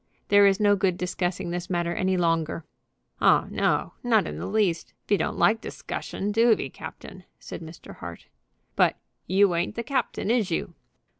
There is no good discussing this matter any longer." "Oh no; not the least. Ve don't like discussion; do ve, captain?" said Mr. Hart. "But you ain't the captain; is you?"